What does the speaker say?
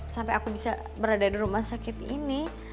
sampai aku bisa berada di rumah sakit ini